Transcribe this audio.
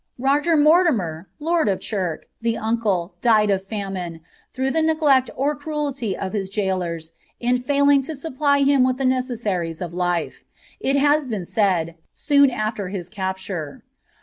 Roger Mortimer, lord of Chirk, le nncle, died of famine, through the neglect or cruelty of his gaolers I fiiiling to supply him with the necessaries of life, it has been said, MMi after his capture.